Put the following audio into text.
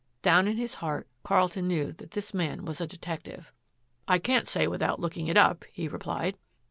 Down in his heart Carlton knew that this man was a detective. "I can't say without looking it up," he replied.